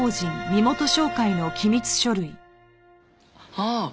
ああ！